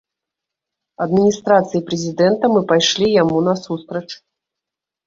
Адміністрацыі прэзідэнта мы пайшлі яму насустрач.